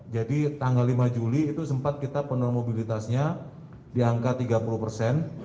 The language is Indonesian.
jadi tanggal lima juli itu sempat kita penurunan mobilitasnya di angka tiga puluh persen